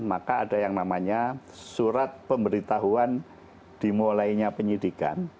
maka ada yang namanya surat pemberitahuan dimulainya penyidikan